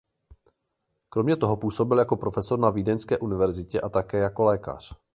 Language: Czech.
Kromě toho působil jako profesor na vídeňské univerzitě a také jako lékař.